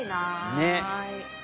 ねっ。